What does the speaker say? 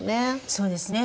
そうですね。